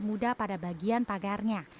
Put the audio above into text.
dan merah muda pada bagian pagarnya